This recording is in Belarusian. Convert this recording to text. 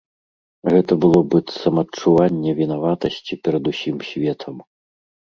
Гэта было быццам адчуванне вінаватасці перад усім светам.